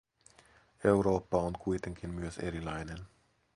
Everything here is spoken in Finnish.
Eurooppa on kuitenkin myös erilainen.